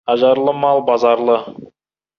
Ажарлы мал базарлы.